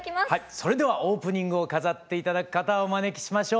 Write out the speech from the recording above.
それではオープニングを飾って頂く方をお招きしましょう。